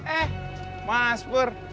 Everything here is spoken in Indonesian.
eh mas pur